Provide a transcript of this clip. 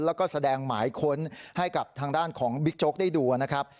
แล้วก็แสดงหมายค้นให้กับทางด้านของบิ๊กโจ๊กได้ดูนะครับ